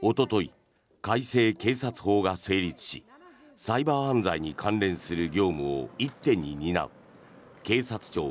おととい、改正警察法が成立しサイバー犯罪に関連する業務を一手に担う警察庁